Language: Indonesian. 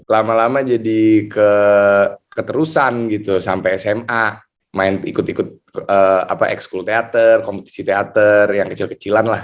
lama lama jadi keterusan gitu sampai sma main ikut ikut ekskul teater kompetisi teater yang kecil kecilan lah